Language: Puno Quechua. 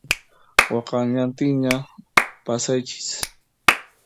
Wakallantinña pasaychis